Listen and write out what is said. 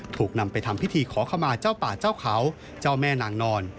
ถูกนำไปทำพิธีขอขมาเจ้าป่าเจ้าเขาเจ้าแม่นางนอน